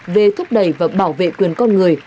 về thúc đẩy và bảo vệ quyền con người